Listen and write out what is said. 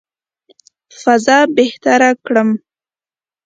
فضا بهتره کړم.